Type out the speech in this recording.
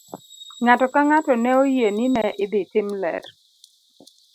Ng'ato ka ng'ato ne oyie ni ne idhi tim ler.